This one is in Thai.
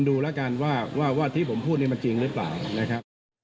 ดูแล้วกันว่าที่ผมพูดนี่มันจริงหรือเปล่านะครับ